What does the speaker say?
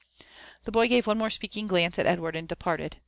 The boy gave one more speaking glance at Edward and departed.